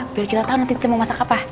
biar kita tahu nanti kita mau masak apa